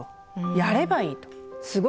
やればいい。